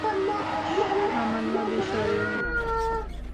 সামান্য বিষয়েও না।